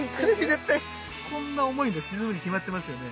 絶対こんな重いんで沈むに決まってますよね。